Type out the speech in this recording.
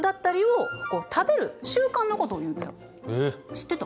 知ってた？